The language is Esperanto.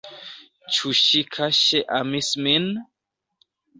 Ĉu ŝi kaŝe amis min?